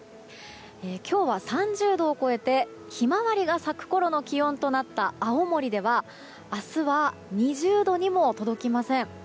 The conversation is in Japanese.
今日は３０度を超えてヒマワリが咲くころの気温となった青森では、明日は２０度にも届きません。